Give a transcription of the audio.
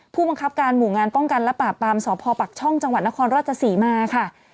ผู้บังคับการหมู่งานป้องกันและปราบปรามสพปักช่องจังหวัดนครราชศรีมาค่ะ